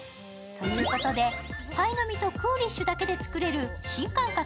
ということでパイの実とクーリッシュだけで作れる新感覚！